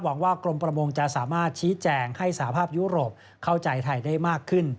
หวังว่ากรมประมงจะสามารถชี้แจงให้สาภาพยุโรปเข้าใจไทยได้มากขึ้น